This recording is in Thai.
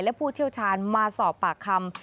และผู้เชี่ยวชาญมาสอบปากคำ